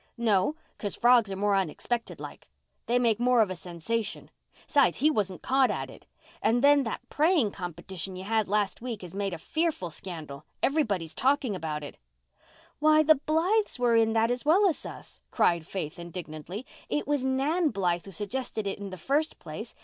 "No, 'cause frogs are more unexpected like. They make more of a sensation. 'Sides, he wasn't caught at it. And then that praying competition you had last week has made a fearful scandal. Everybody is talking about it." "Why, the Blythes were in that as well as us," cried Faith, indignantly. "It was Nan Blythe who suggested it in the first place.